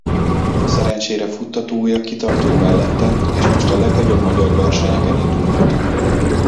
Szerencsére futtatója kitartott mellette és most a legnagyobb magyar versenyeke indulhat.